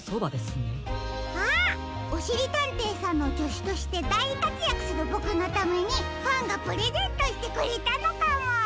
あっおしりたんていさんのじょしゅとしてだいかつやくするボクのためにファンがプレゼントしてくれたのかも！